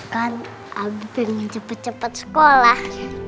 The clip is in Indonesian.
kan abi mau cepet cepet sekolah